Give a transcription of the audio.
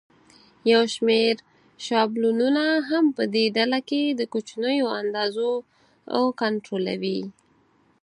یو شمېر شابلونونه هم په دې ډله کې د کوچنیو اندازو کنټرولوي.